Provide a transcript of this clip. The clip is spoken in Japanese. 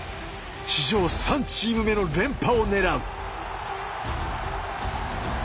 史上３チーム目の連覇を狙う。